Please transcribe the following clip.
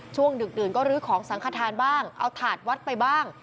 ช่วงดึกก็ลื้อของสังคทารบ้างเอาถาดวัดไปบ้าง